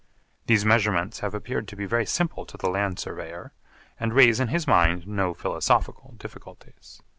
These measurements have appeared to be very simple to the land surveyor and raise in his mind no philosophic difficulties.